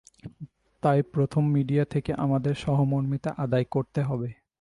তাই প্রথমে মিডিয়া থেকে, আমাদের সহমর্মিতা আদায় করতে হবে।